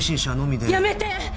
やめて！